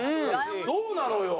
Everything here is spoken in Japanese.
どうなのよ？